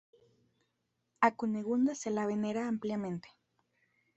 A Cunegunda se la venera ampliamente.